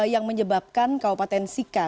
yang menyebabkan kawupaten sika